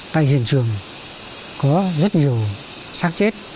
tại hiện trường có rất nhiều sát chết